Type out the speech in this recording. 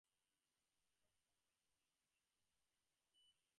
Amanda Borden was born in Cincinnati, Ohio.